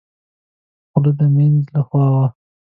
خوله د مينځ له خوا وه.